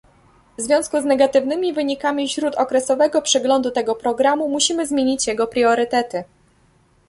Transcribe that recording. W związku z negatywnymi wynikami śródokresowego przeglądu tego programu musimy zmienić jego priorytety